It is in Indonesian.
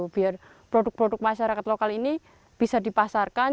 biar produk produk masyarakat lokal ini bisa dipasarkan